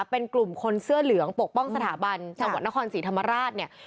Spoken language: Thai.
เป็นกลุ่มคนเสื้อเหลืองปกป้องสถาบันจังหวัดนครศรีธรรมราชเนี่ย